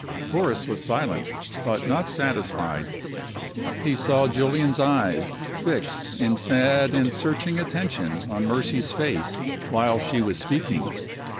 Horace was silenced, but not satisfied. He saw Julian's eyes fixed in sad and searching attention on Mercy's face while she was speaking.